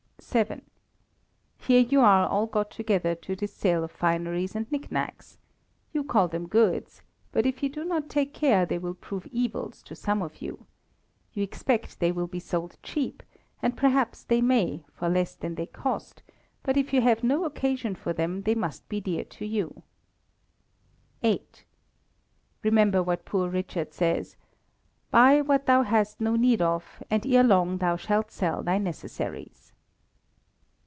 vii. Here you are all got together to this sale of fineries and nick nacks. You call them goods; but if you do not take care they will prove evils to some of you. You expect they will be sold cheap, and perhaps they may, for less than they cost; but if you have no occasion for them they must be dear to you. viii. Remember what Poor Richard says, "Buy what thou hast no need of, and ere long thou shalt sell thy necessaries."